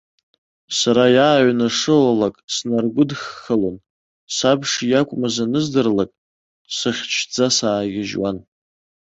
Сара иааҩнашылалак снаргәыдхахалон, саб шиакәмыз аныздырлак, сыхьчӡа саагьежьуан.